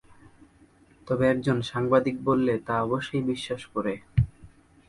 তবে একজন সাংবাদিক বললে তা অবশ্যই বিশ্বাস করে।